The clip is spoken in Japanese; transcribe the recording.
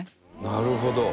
なるほど。